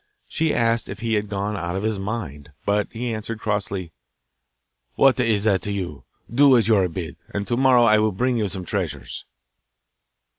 She asked if he had gone out of his mind, but he answered crossly, 'What is that to you? Do as you are bid, and to morrow I will bring you some treasures.